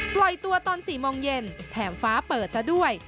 ปล่อยตัวตอน๔โมงเย็นแถมฟ้าเปิดซะด้วย